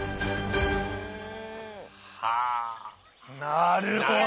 なるほど！